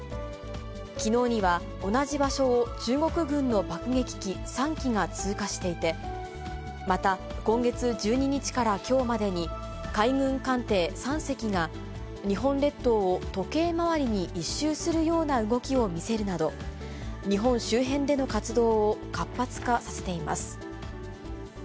きのうには、同じ場所を中国軍の爆撃機３機が通過していて、また、今月１２日からきょうまでに、海軍艦艇３隻が、日本列島を時計回りに１周するような動きを見せるなど、日本周辺での活動を活発化させています。